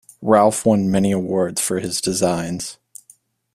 Ralph won many awards for his designs.